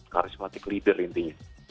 karismatik leader intinya